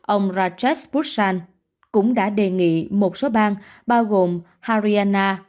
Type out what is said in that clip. ông rajesh bhushan cũng đã đề nghị một số bang bao gồm haryana